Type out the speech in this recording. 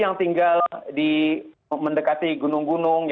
yang tinggal mendekati gunung gunung